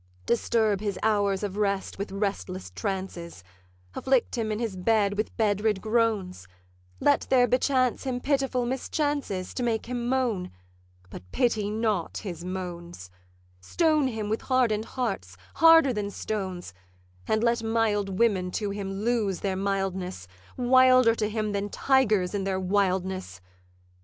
'Disturb his hours of rest with restless trances, Afflict him in his bed with bedrid groans: Let there bechance him pitiful mischances, To make him moan; but pity not his moans: Stone him with harden'd hearts, harder than stones; And let mild women to him lose their mildness, Wilder to him than tigers in their wildness.